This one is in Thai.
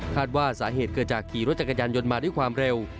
ว่าสาเหตุเกิดจากขี่รถจักรยานยนต์มาด้วยความเร็ว